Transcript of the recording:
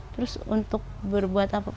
terus untuk berbuat apa